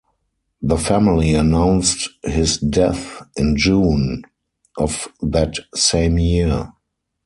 The family announced his death in June of that same year.